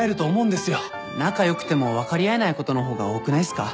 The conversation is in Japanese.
仲良くても分かり合えないことの方が多くないっすか？